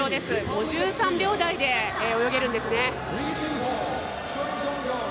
５３秒台で泳げるんですね。